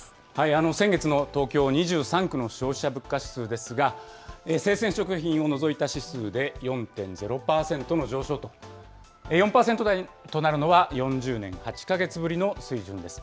先月の東京２３区の消費者物価指数ですが、生鮮食品を除いた指数で４．０％の上昇と、４％台となるのは、４０年８か月ぶりの水準です。